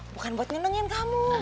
bukan buat nyenengin kamu